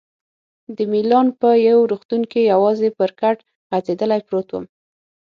د میلان په یو روغتون کې یوازې پر کټ غځېدلی پروت وم.